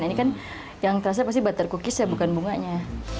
ini kan yang terasa pasti butter cookies ya bukan bunganya